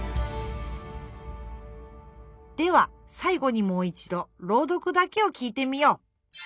ではさい後にもう一度ろう読だけを聞いてみよう。